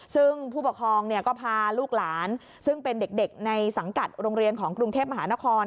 ซึ่งผู้ปกครองก็พาลูกหลานซึ่งเป็นเด็กในสังกัดโรงเรียนของกรุงเทพมหานคร